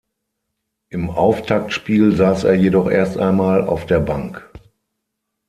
Im Auftaktspiel saß er jedoch erst einmal auf der Bank.